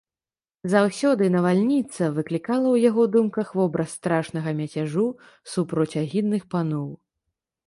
Заўсёды навальніца выклікала ў яго думках вобраз страшнага мяцяжу супроць агідных паноў.